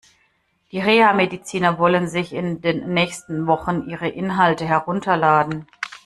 Die Reha-Mediziner wollen sich in den nächsten Wochen ihre Inhalte herunterladen.